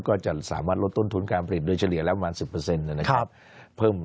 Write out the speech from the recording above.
ก็จะสามารถลดต้นทุนการผลิตโดยเฉลี่ยแล้วประมาณ๑๐นะครับ